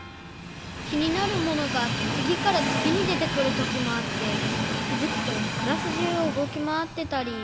きになるものがつぎからつぎにでてくるときもあってきづくとクラスじゅうをうごきまわってたり。